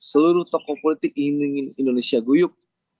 seluruh tokoh politik ingin indonesia guyuk